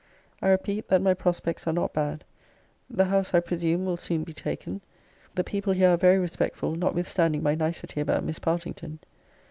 I repeat, that my prospects are not bad. 'The house, I presume, will soon be taken. The people here are very respectful, notwithstanding my nicety about Miss Partington.